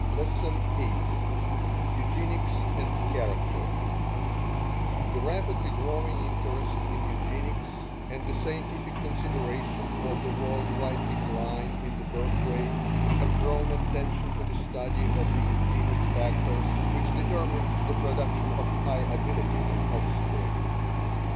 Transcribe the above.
LESSON VIII EUGENICS AND CHARACTER The rapidly growing interest in Eugenics, and the scientific consideration of the world wide decline in the birth rate have drawn attention to the study of the eugenic factors which determine the production of high ability in offspring.